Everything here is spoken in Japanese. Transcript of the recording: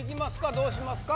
どうしますか？